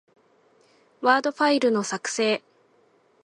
ワードファイルの、作成